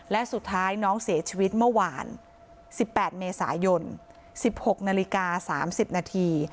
และสุดท้ายน้องเสียชีวิตเมื่อวาน๑๘เมษายน๑๖นาฬิกา๓๐นาที